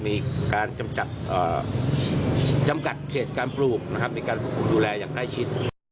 มีการจำกัดเขตการปลูกนะครับมีการควบคุมดูแลอย่างใกล้ชิด